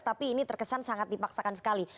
tapi ini terkesan sangat dipaksakan sekali